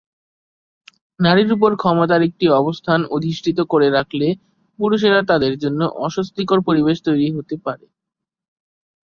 নারীর উপর ক্ষমতার একটি অবস্থান অধিষ্ঠিত করে রাখলে, পুরুষরা তাদের জন্য অস্বস্তিকর পরিবেশ তৈরি হতে পারে।